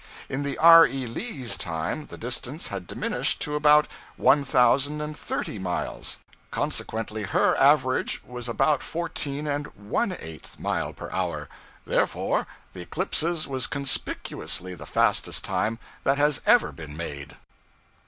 In the 'R. E. Lee's' time the distance had diminished to about one thousand and thirty miles; consequently her average was about fourteen and one eighth miles per hour. Therefore the 'Eclipse's' was conspicuously the fastest time that has ever been made.